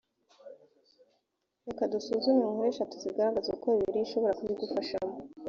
reka dusuzume inkuru eshatu zigaragaza uko bibiliya ishobora kubigufashamo